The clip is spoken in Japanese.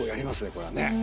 これはね。